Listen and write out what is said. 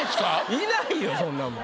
いないよそんなもん。